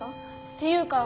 っていうか